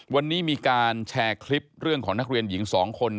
วันนี้มีการแชร์คลิปเรื่องของนักเรียนหญิง๒คน